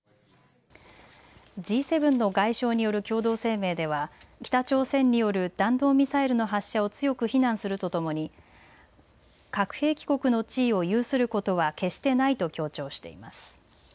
Ｇ７の外相による共同声明では北朝鮮による弾道ミサイルの発射を強く非難するとともに核兵器国の地位を有することは決してないと強調しています。